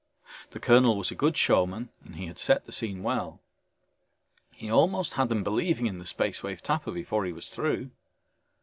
The colonel was a good showman and he had set the scene well. He almost had them believing in the Space Wave Tapper before he was through.